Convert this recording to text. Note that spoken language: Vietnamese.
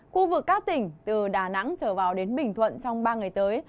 khu vực các tỉnh từ đà nẵng trở vào đến bình thuận trong ba ngày tới